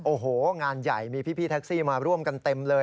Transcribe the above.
โอ้โหงานใหญ่มีพี่แท็กซี่มาร่วมกันเต็มเลย